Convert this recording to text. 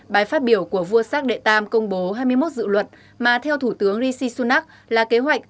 bài phát biểu của vua charles viii công bố hai mươi một dự luật mà theo thủ tướng rishi sunak là kế hoạch